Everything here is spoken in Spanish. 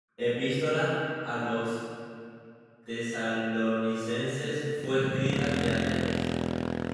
espístola á los Tesalonicenses fué escrita de Atenas.